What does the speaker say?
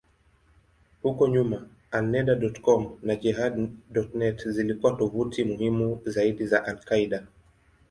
Huko nyuma, Alneda.com na Jehad.net zilikuwa tovuti muhimu zaidi za al-Qaeda.